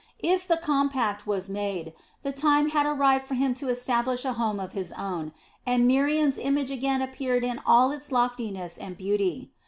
If the compact was made, the time had arrived for him to establish a home of his own, and Miriam's image again appeared in all its loftiness and beauty.